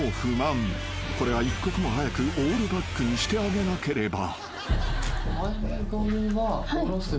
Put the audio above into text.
［これは一刻も早くオールバックにしてあげなければ］